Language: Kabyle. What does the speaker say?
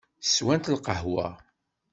Swemt lqahwa.